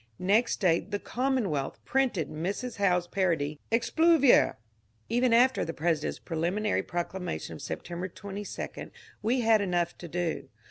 Next day the ^* Commonwealth " printed Mrs. Howe's parody, " Expluvior !" Even after the President's preliminary proclamation of September 22 we had enough to do.